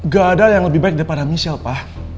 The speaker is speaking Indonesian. gak ada yang lebih baik daripada michelle pak